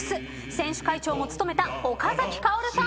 選手会長も務めた岡崎郁さん。